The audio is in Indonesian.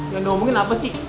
yang udah omongin apa sih